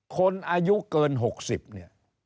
คนอายุเกิน๖๐เนี่ย